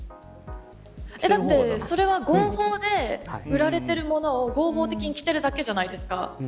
だってそれは合法で売られているものを合法的に着てるだけじゃないですか。